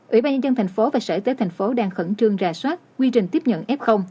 ủy ban nhân dân tp hcm và sở tế tp hcm đang khẩn trương rà soát quy trình tiếp nhận f